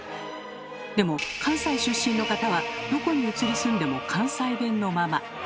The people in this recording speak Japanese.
でも関西出身の方はどこに移り住んでも関西弁のまま。